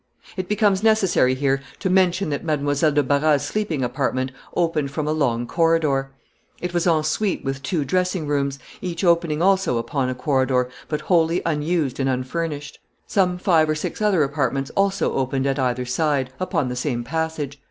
It becomes necessary here to mention that Mademoiselle de Barras's sleeping apartment opened from a long corridor. It was en suite with two dressing rooms, each opening also upon the corridor, but wholly unused and unfurnished. Some five or six other apartments also opened at either side, upon the same passage.